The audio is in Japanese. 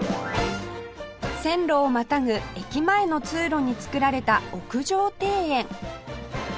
線路をまたぐ駅前の通路に造られた屋上庭園